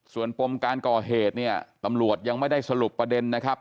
ส่วนปมการก่อเหตุเนี่ยตำรวจยังไม่ได้สรุปประเด็นนะครับ